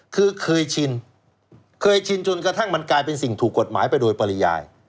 คือเคยชินเคยชินจนกระทั่งมันกลายเป็นสิ่งถูกกฎหมายไปโดยปริยาย